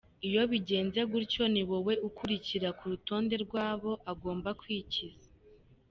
Iyo bigenze gutyo, ni wowe ukurikira ku rutonde rw’abo agomba kwikiza!